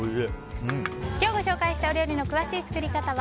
今日ご紹介した料理の詳しい作り方は